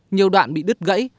nhiều đoạn bị đứt gãy